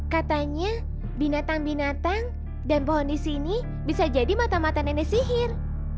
katanya binatang binatang dan pohon di sini bisa jadi mata mata nenek sihir